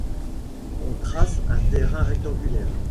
On trace un terrain rectangulaire.